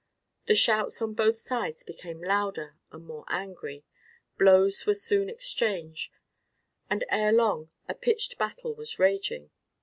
The shouts on both sides became louder and more angry. Blows were soon exchanged, and ere long a pitched battle was raging.